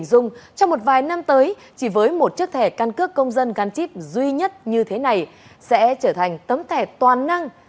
năm tới chỉ với một chiếc thẻ căn cước công dân gắn chip duy nhất như thế này sẽ trở thành tấm thẻ toàn năng